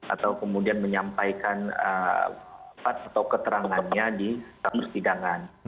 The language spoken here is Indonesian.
atau kemudian menyampaikan pat atau keterangannya di persidangan